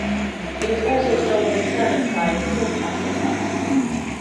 It is also sold in serving-size small plastic cups.